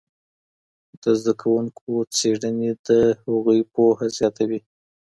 د زده کوونکو څېړني د هغوی پوهه زیاتوي.